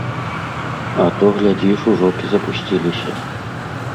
А то, глядзіш, ужо б і запусціліся.